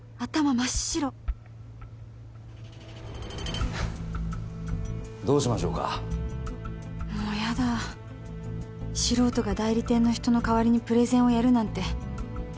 真っ白どうしましょうかもうやだ素人が代理店の人の代わりにプレゼンをやるなんて到底無理だったんだ